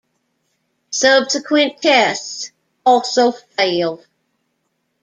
Subsequent tests also failed.